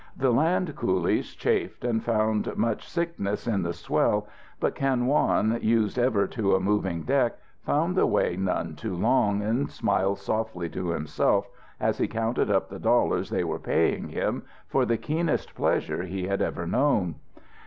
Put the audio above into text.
The land coolies chafed and found much sickness in the swell but Kan Wong, used ever to a moving deck, round the way none too long, and smiled softly to himself as he counted up the dollars they were paying him for the keenest pleasure he had ever known.